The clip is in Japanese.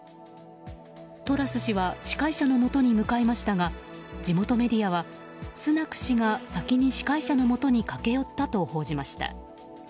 トラス氏は司会者のもとに向かいましたが地元メディアはスナク氏が先に司会者のもとに駆け寄ったと報じました。